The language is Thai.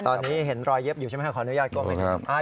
ตอนนี้เห็นรอยเย็บอยู่ใช่ไหมคะขออนุญาตกลัวไหมครับ